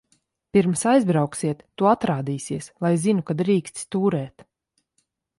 Pirms aizbrauksiet, tu atrādīsies, lai zinu, ka drīksti stūrēt.